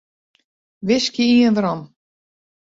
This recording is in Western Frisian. Wiskje ien werom.